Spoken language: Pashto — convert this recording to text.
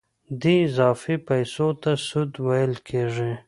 دې اضافي پیسو ته سود ویل کېږي